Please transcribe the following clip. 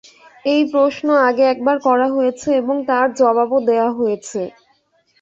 এই প্রশ্ন আগে একবার করা হয়েছে এবং তার জবাবও দেয়া হয়েছে।